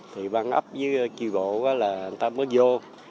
thì văn ấp với tri bộ là người ta mới vô